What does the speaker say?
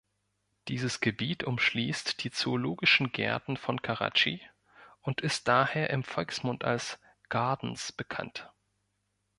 Dieses Gebiet umschließt die Zoologischen Gärten von Karatschi und ist daher im Volksmund als „Gardens“ bekannt.